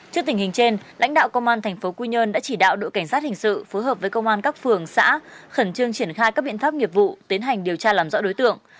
trước tình hình trên lãnh đạo công an tp quy nhơn đã chỉ đạo đội cảnh sát hình sự phối hợp với công an các phường xã khẩn trương triển khai các biện pháp nghiệp vụ tiến hành điều tra làm rõ đối tượng